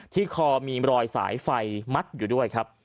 ที่คอมีรอยสายไฟมัดอยู่ด้วย